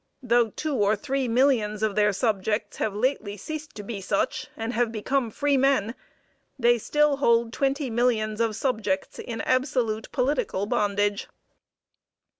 Though two or three millions of their subjects have lately ceased to be such, and have become freemen, they still hold twenty millions of subjects in absolute political bondage.